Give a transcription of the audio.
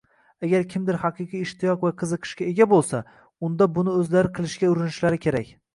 Agar kimdir haqiqiy ishtiyoq va qiziqishga ega boʻlsa, unda buni oʻzlari qilishga urinishlari kerak.